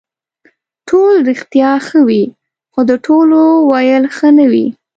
ټول رښتیا ښه وي خو د ټولو ویل ښه نه وي.